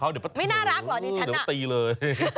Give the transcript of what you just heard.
เดี๋ยวตีเลย